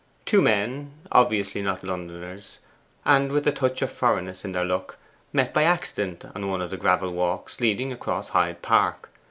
Two men obviously not Londoners, and with a touch of foreignness in their look, met by accident on one of the gravel walks leading across Hyde Park.